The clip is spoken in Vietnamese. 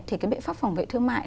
thì cái biện pháp phòng vệ thương mại